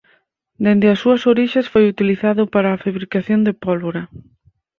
Dende as súas orixes foi utilizado para a fabricación de pólvora.